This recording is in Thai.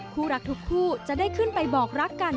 คู่รักทุกคู่จะได้ขึ้นไปบอกรักกัน